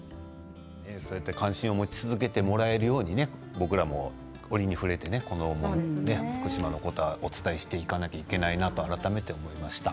そうやって関心を持ち続けてもらえるように僕らも折に触れ福島の言葉を伝えしていかなければいけないなと改めて思いました。